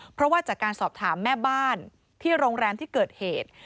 เพราะว่าจากการสอบถามแม่บ้านที่โรงแรมที่เกิดเหตุ